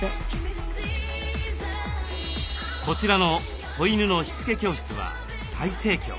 こちらの子犬のしつけ教室は大盛況。